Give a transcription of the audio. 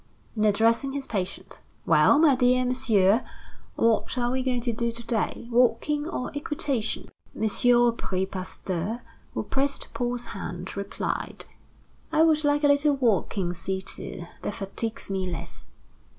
And addressing his patient: "Well, my dear Monsieur, what are we going to do to day? Walking or equitation?" M. Aubry Pasteur, who pressed Paul's hand, replied: "I would like a little walking seated; that fatigues me less."